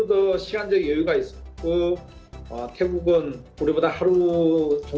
tapi kita juga memiliki sebagian lagi waktu